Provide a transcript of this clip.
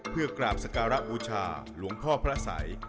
เพื่อกราบสการะบูชาหลวงพ่อพระสัย